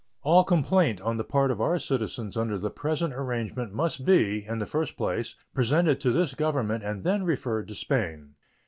All complaint on the part of our citizens under the present arrangement must be, in the first place, presented to this Government and then referred to Spain.